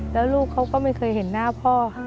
แล้วลูกเขาก็ไม่เคยเห็นหน้าพ่อค่ะ